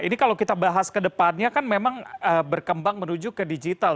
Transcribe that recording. ini kalau kita bahas ke depannya kan memang berkembang menuju ke digital